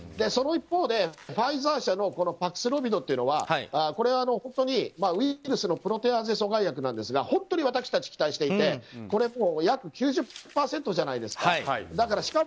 その一方でファイザー社のパクスロビドというのはこれは本当にウイルスの阻害薬なんですが本当に私たち期待していて約９０％じゃないですか。